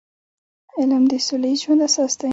علم د سوله ییز ژوند اساس دی.